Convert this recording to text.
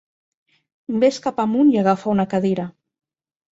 Vés cap amunt i agafa una cadira